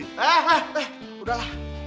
eh eh eh udahlah